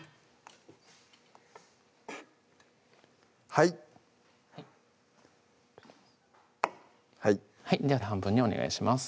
はいはいでは半分にお願いします